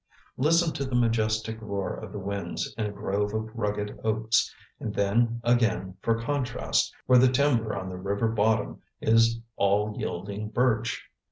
Listen to the majestic roar of the winds in a grove of rugged oaks, and then again, for contrast, where the timber on the river bottom is all yielding birch.